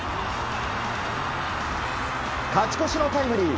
勝ち越しのタイムリー。